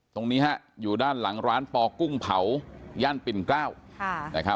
ตรงนี้อยู่ด้านหลังร้านปอกุ้งเผาย่านปิ่นเกล้า